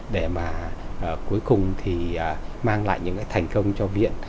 để mà cuối cùng thì mang lại những cái thành công cho viện